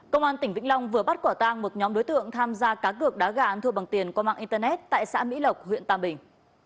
công an tỉnh vĩnh long vừa bắt quả tang một nhóm đối tượng tham gia cá cược đá gà ăn thua bằng tiền qua mạng internet tại xã mỹ lộc huyện tam bình